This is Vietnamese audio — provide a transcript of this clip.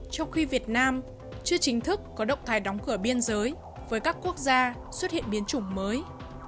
trong khi việt nam chưa chính thức có động thái đóng cửa biên giới với các quốc gia xuất hiện biến chủng mới